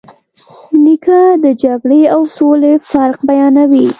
نیکه د جګړې او سولې فرق بیانوي.